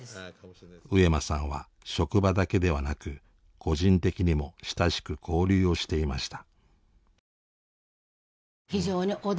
上間さんは職場だけではなく個人的にも親しく交流をしていました。